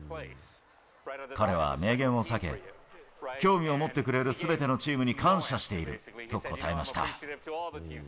彼は明言を避け、興味を持ってくれるすべてのチームに感謝していると答えました。